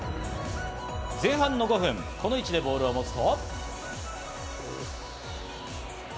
前半の５分、この位置でボールを持つと。